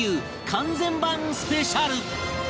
完全版スペシャル